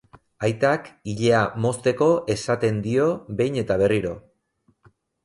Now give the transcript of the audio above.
Aitak ilea mozteko esaten dio behin eta berriro.